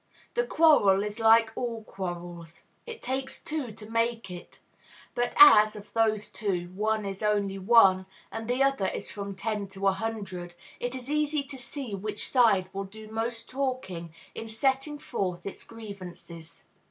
The quarrel is like all quarrels, it takes two to make it; but as, of those two, one is only one, and the other is from ten to a hundred, it is easy to see which side will do most talking in setting forth its grievances.